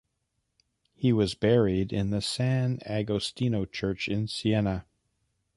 He was buried in the San Agostino church in Siena.